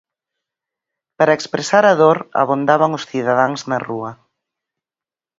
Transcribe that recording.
Para expresar a dor abondaban os cidadáns na rúa.